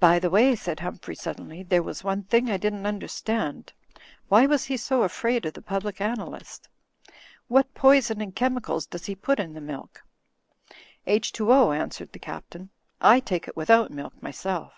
"By the way," said Humphrey, suddenly, "there was one thing I didn't imderstand. Why was he so afraid of the Public Analyst? What poison and chemicals does he put in the milk?" "H2O," answered the Captain, "I take it without milk myself."